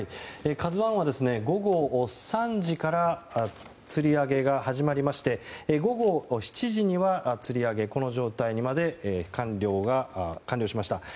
「ＫＡＺＵ１」は午後３時からつり上げが始まりまして午後７時には、つり上げこの状態にまで完了しました。